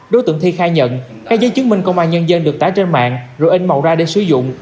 đối tượng thi khai nhận các giấy chứng minh công an nhân dân được tái trên mạng rồi in màu ra để sử dụng